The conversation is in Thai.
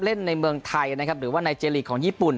ในเมืองไทยนะครับหรือว่าในเจลีกของญี่ปุ่น